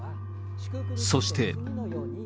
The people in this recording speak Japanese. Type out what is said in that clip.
そして。